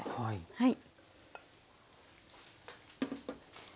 はい。